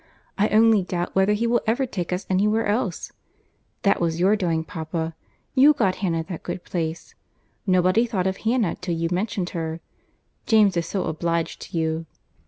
I only doubt whether he will ever take us anywhere else. That was your doing, papa. You got Hannah that good place. Nobody thought of Hannah till you mentioned her—James is so obliged to you!"